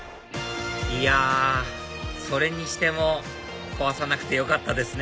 いやそれにしても壊さなくてよかったですね